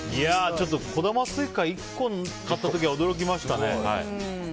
ちょっと小玉スイカ１個買った時は驚きましたね。